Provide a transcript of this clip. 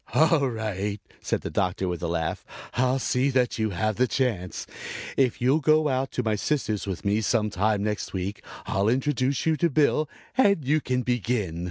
"All right," said the Doctor with a laugh. "I'll see that you have the chance. If you'll go out to my sister's with me some time next week I'll introduce you to Bill and you can begin."